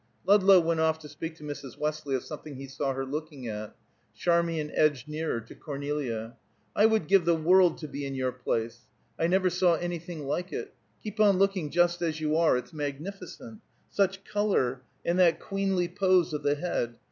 Ludlow went off to speak to Mrs. Westley of something he saw her looking at; Charmian edged nearer to Cornelia. "I would give the world to be in your place. I never saw anything like it. Keep on looking just as you are! It's magnificent. Such color, and that queenly pose of the head!